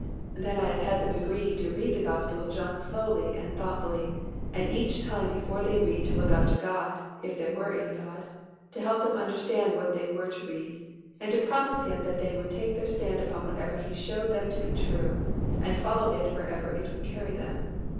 Then I have had them agree to read the Gospel of John slowly and thoughtfully, and each time before they read to look up to God, if there were any God, to help them to understand what they were to read and to promise Him that they would take their stand upon whatever He showed them to be true, and follow it wherever it would carry them.